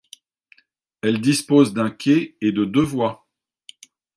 Elle dispose d'un quai et de deux voies.